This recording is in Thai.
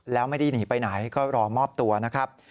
แล้วไม่ได้หนีไปไหนก็รอมอบตัวนะครับ